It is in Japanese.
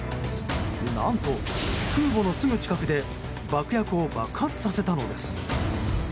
何と、空母のすぐ近くで爆薬を爆発させたのです。